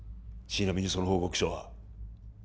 ちなみにその報告書は